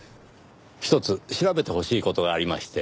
ひとつ調べてほしい事がありまして。